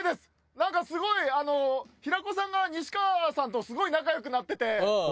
なんかすごいあの平子さんが仁支川さんとすごい仲良くなってて。